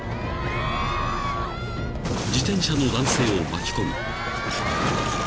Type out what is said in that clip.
［自転車の男性を巻き込み］